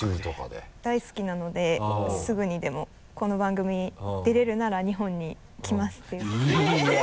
もう大好きなのですぐにでもこの番組出れるなら日本に来ますという。